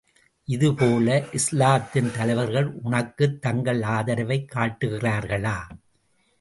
இதுபோல, இஸ்லாத்தின் தலைவர்கள் உனக்குத் தங்கள் ஆதரவைக் காட்டுகிறார்களா?